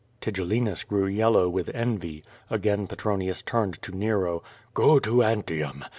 Tigellinus grew yellow with envy. Again Petronius turned to Nero: "Go to Antium.